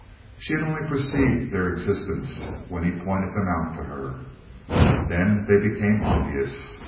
She only perceived their existence when he pointed them out to her. Then they became obvious.